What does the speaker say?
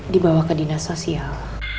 dibawa ke dinas sosial